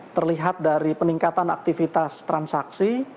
terlihat dari peningkatan aktivitas transaksi